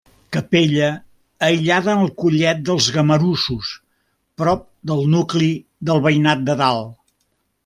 Capella aïllada en el Collet dels Gamarussos, prop del nucli del Veïnat de Dalt.